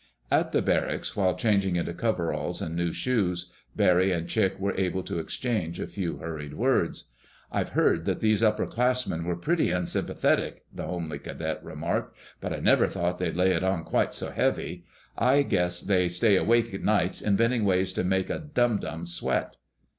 At the barracks, while changing into coveralls and new shoes, Barry and Chick were able to exchange a few hurried words. "I'd heard that these upperclassmen were pretty unsympathetic," the homely cadet remarked, "but I never thought they'd lay it on quite so heavy. I guess they stay awake nights inventing ways to make a dum dum sweat."